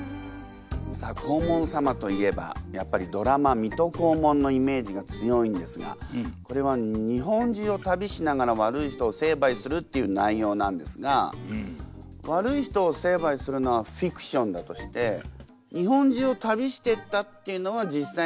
さあ黄門様といえばやっぱりドラマ「水戸黄門」のイメージが強いんですがこれは日本中を旅しながら悪い人を成敗するっていう内容なんですが悪い人を成敗するのはフィクションだとしてええ！？